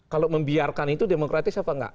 kalau membiarkan itu demokratis apa enggak